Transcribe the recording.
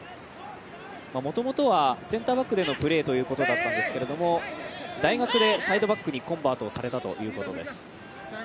もともとはセンターバックでのプレーということだったんですけど大学でサイドバックにコンバートされたということです。